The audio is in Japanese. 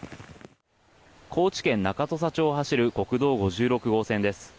高知県中土佐町を走る国道５６号線です。